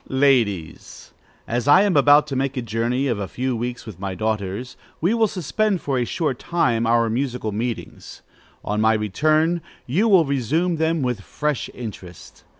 _ Ladies, As I am about to make a journey of a few weeks with my daughters, we will suspend for a short time our musical meetings. On my return, you will resume them with fresh interest.